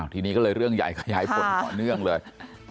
ทีนี้ก็เลยเรื่องใหญ่ขยายผลต่อเนื่องเลย